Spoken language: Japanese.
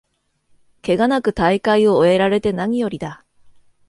ケガなく大会を終えられてなによりだ